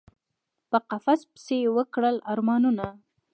په قفس پسي یی وکړل ارمانونه